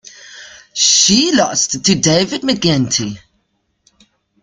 She lost to David McGuinty.